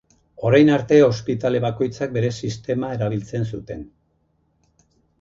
Orain arte ospitale bakoitzak bere sistema erabiltzen zuten.